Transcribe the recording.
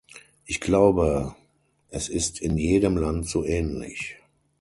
Ich glaube, es ist in jedem Land so ähnlich.